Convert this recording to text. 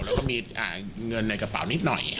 แล้วก็มีเงินในกระเป๋านิดหน่อย